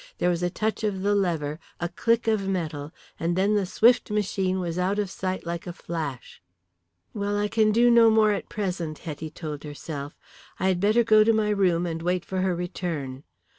There was a touch of the lever, a click of metal, and then the swift machine was out of sight like a flash. "Well, I can do no more at present," Hetty told herself. "I had better go to my room and wait for her return.